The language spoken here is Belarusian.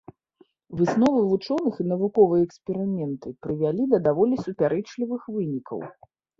Высновы вучоных і навуковыя эксперыменты прывялі да даволі супярэчлівых вынікаў.